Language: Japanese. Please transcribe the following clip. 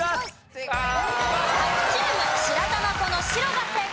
白昼夢白玉粉の「白」が正解。